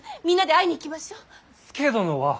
みんなで会いに行きましょう。